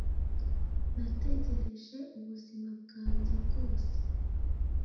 Nategereje ubuzima bwanjye bwose